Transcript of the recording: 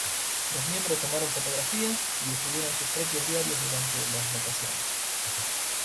Los miembros tomaron fotografías y escribieron sus propios diarios durante las vacaciones.